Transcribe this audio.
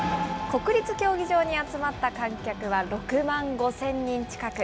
国立競技場に集まった観客は６万５０００人近く。